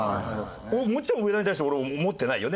もちろん上田に対して俺思ってないよ。